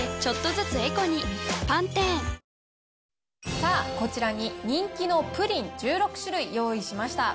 さあ、こちらに人気のプリン１６種類用意しました。